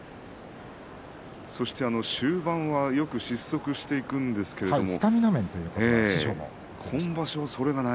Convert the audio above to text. そして終盤はよく失速していくんですけれども。